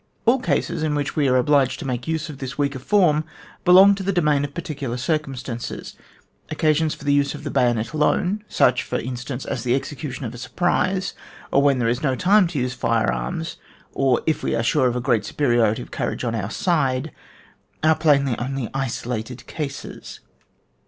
All cases in which we are obliged to make use of this weaker form, belong to the domain of particular circumstances. Occasions for the use of the bayonet alone, such, for instance, as the execution of a surprise, or when there is no time to use fire arms, or if we are sure of a great superiority of courage on our side, are plainly only isolated cases.